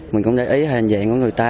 mình cũng để ý hình dạng của người ta